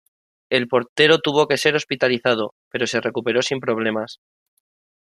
El portero tuvo que ser hospitalizado, pero se recuperó sin problemas.